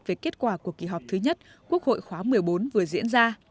về kết quả của kỳ họp thứ nhất quốc hội khóa một mươi bốn vừa diễn ra